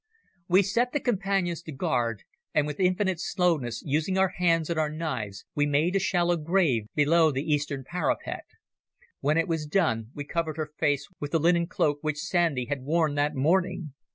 We set the Companions to guard, and with infinite slowness, using our hands and our knives, we made a shallow grave below the eastern parapet. When it was done we covered her face with the linen cloak which Sandy had worn that morning.